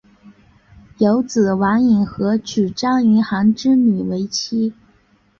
有子王尹和娶张云航之女为妻。